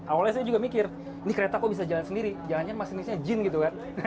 awalnya saya juga mikir ini kereta kok bisa jalan sendiri jangan jangan masinisnya jin gitu kan